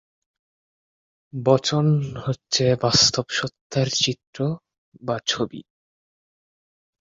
বচন হচ্ছে বাস্তব সত্তার চিত্র বা ছবি।